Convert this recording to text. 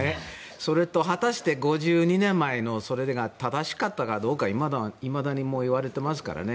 それと、果たして５２年前のそれが正しかったかどうかいまだにいわれていますからね。